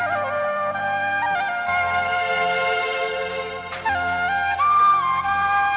tuh mau ya mau